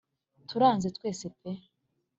turanze twese pe